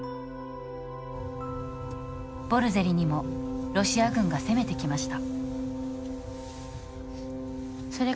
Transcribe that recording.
ボルゼリにもロシア軍が攻めてきました。